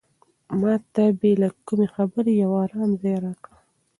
ما ته بې له کومې خبرې یو ارام ځای راکړه.